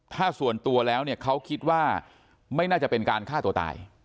ถ้าส่วนตัวแล้วเนี่ยเขาคิดว่าไม่น่าจะเป็นการฆ่าตัวตาย